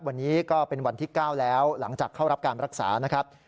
วันนี้ก็เป็นวันที่๙แล้วหลังจากเข้ารับการรักษานะครับ